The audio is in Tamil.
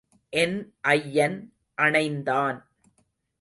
என் ஐயன் அணைந்தான்.